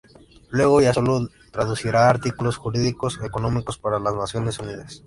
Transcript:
Luego, ya solo traducirá artículos jurídicos o económicos para las Naciones Unidas.